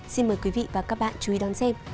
xin mời quý vị và các bạn chú ý đón xem